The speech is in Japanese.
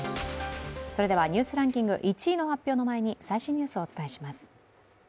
それではニュースランキング１位発表の前に最新のニュースをお届けします。